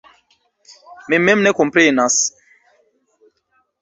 Mi mem ne komprenas.